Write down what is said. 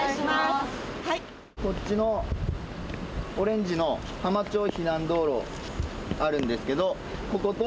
こっちのオレンジの浜町避難道路あるんですけどここと